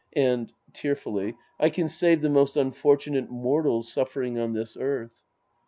And {fearfully) I can save the most unfortu nate mortals suffering on this earth.